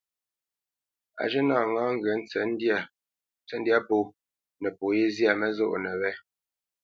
Á zhə̂ nâ ŋá ŋgyə̌ tsə̌tndyǎ pó nəpo yé zyâ mənɔ́nə wé.